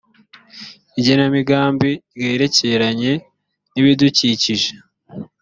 igenamigambi ryerekeranye n ibidukikije .